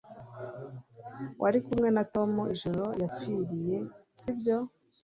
Wari kumwe na Tom ijoro yapfiriye, si byo?